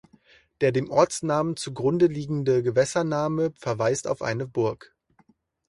Der dem Ortsnamen zugrundeliegende Gewässername verweist auf eine Burg.